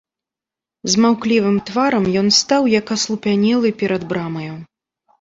З маўклівым тварам ён стаў, як аслупянелы, перад брамаю.